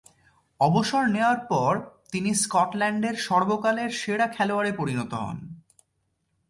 অবসর নেয়ার পর তিনি স্কটল্যান্ডের সর্বকালের সেরা খেলোয়াড়ে পরিণত হন।